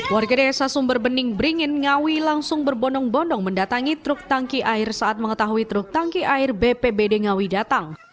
warga desa sumber bening beringin ngawi langsung berbondong bondong mendatangi truk tangki air saat mengetahui truk tangki air bpbd ngawi datang